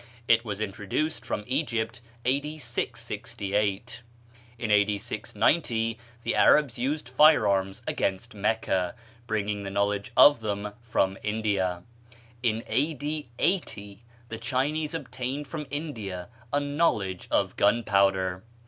It was introduced from Egypt A.D. 668. In A.D. 690 the Arabs used fire arms against Mecca, bringing the knowledge of them from India. In A.D. 80 the Chinese obtained from India a knowledge of gunpowder.